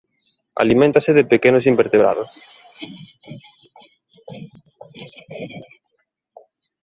Aliméntase de pequenos invertebrados.